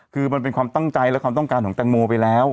คือมันเป็นความตั้งใจและความต้องการของแตงโมไปแล้ว